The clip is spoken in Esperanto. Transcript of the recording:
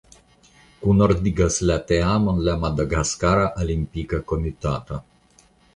Kunordigas la teamon la Madagaskara Olimpika Komitato.